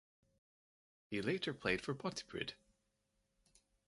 He later played for Pontypridd.